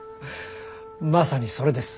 まさにそれです！